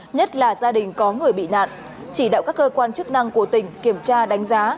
nhất là gia đình có người bị nạn chỉ đạo các cơ quan chức năng của tỉnh kiểm tra đánh giá